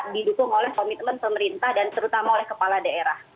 didukung oleh komitmen pemerintah dan terutama oleh kepala daerah